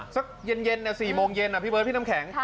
สักเย็น๔โมงเย็นพี่เบิร์ดพี่น้ำแข็ง